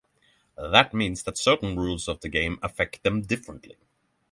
That means that certain rules of the game affect them differently.